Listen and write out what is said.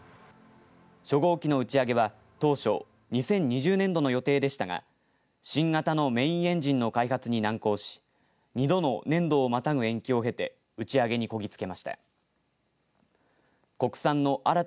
初号機の打ち上げは当初２０２０年度の予定でしたが新型のメインエンジンの開発に難航し２度の年度をまたぐ延期を経て打ち上げにこぎ着けました。